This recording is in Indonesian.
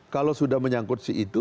kalau sudah menyangkut si itu